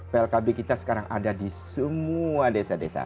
plkb kita sekarang ada di semua desa desa